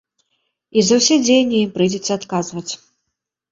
І за ўсе дзеянні ім прыйдзецца адказваць.